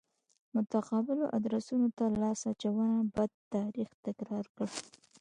متقابلو ادرسونو ته لاس اچونه بد تاریخ تکرار کړ.